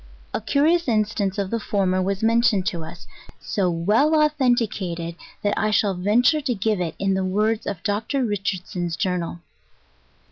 A curious instance of the former was mentioned to us, so ivell authenticated, that I shall venture to give it in the words of Dr. Richardson's Journal.